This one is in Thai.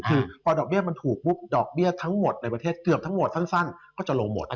คือพอดอกเบี้ยมันถูกปุ๊บดอกเบี้ยทั้งหมดในประเทศเกือบทั้งหมดสั้นก็จะลงหมด